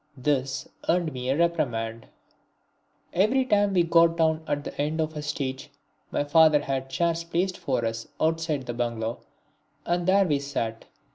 This earned me a reprimand. Every time we got down at the end of a stage, my father had chairs placed for us outside the bungalow and there we sat.